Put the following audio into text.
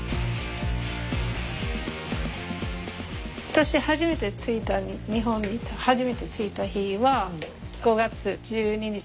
私初めて着いた日本に初めて着いた日は５月１２日。